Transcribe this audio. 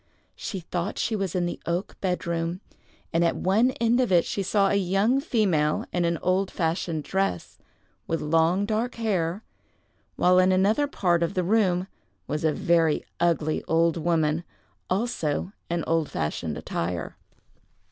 She thought she was in the oak bed room, and at one end of it she saw a young female in an old fashioned dress, with long dark hair, while in another part of the room was a very ugly old woman, also in old fashioned attire.